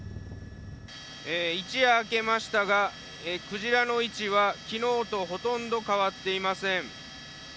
一夜明けましたがクジラの位置は昨日とほとんど変わっていません。